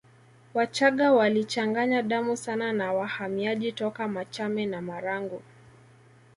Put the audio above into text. Wachaga walichanganya damu sana na wahamiaji toka Machame na Marangu